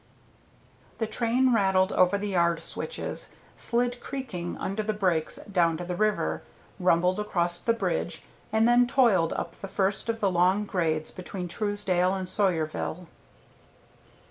The train rattled over the yard switches, slid creaking under the brakes down to the river, rumbled across the bridge, and then toiled up the first of the long grades between Truesdale and Sawyerville.